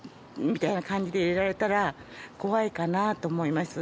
みたいな感じで入れられたら怖いかなと思います。